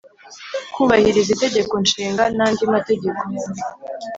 kubahiriza itegeko nshinga, nandi mategeko